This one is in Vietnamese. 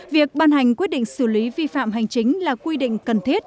việc ban hành quyết định xử lý vi phạm hành chính là quy định cần thiết